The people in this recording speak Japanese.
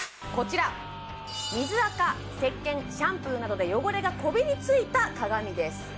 こちら水あかせっけんシャンプーなどで汚れがこびりついた鏡です